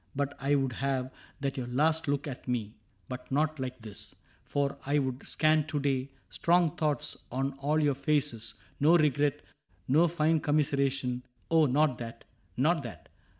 But I would have that your last look at me CAPTAIN CRAIG 79 Be not like this ; for I would scan to day Strong thoughts on all your faces — no regret, No fine commiseration — oh, not that, Not that